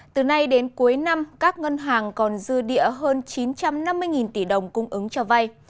từ nay đến cuối năm các ngân hàng còn dư địa hơn chín trăm năm mươi tỷ đồng cung ứng cho vay